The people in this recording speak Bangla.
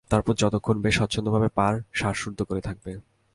তারপর যতক্ষণ বেশ স্বচ্ছন্দভাবে পার, শ্বাস রুদ্ধ করে থাকবে।